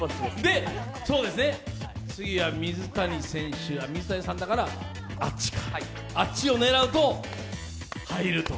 次は水谷さんだからあっちか、あっちを狙うと入ると。